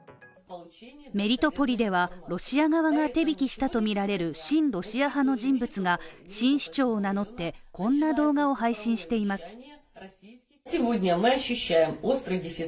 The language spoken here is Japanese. メリトポリでは、ロシア側が手引きしたとみられる親ロシア派の人物が、新市長を名乗ってこんな動画を配信しています。